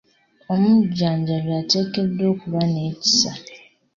Omujjanjabi ateekeddwa okuba n'ekisa.